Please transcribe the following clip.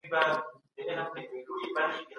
تر هغه وخته به حالت ښه سوی وي.